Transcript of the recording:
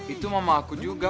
itu mama aku juga